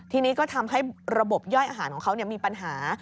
ทีนี้ก็ทำให้ระบบย่อยอาหารของเขามีปัญหา